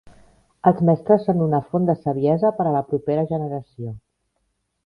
Els mestres són una font de saviesa per a la propera generació.